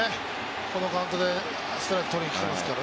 このカウントでストライク取りにきていますから。